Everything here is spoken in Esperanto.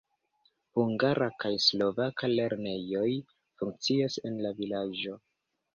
Hungara kaj slovaka lernejoj funkcias en la vilaĝo.